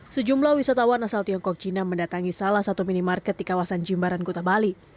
sejumlah wisatawan asal tiongkok cina mendatangi salah satu minimarket di kawasan jimbaran kuta bali